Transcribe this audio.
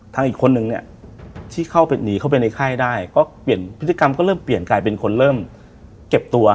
อีกคนนึงเนี่ยที่เข้าไปหนีเข้าไปในค่ายได้ก็เปลี่ยนพฤติกรรมก็เริ่มเปลี่ยนกลายเป็นคนเริ่มเก็บตัว